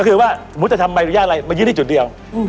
ก็คือว่ามุฒิจะทำไมอะไรมันยืนที่จุดเดียวอืม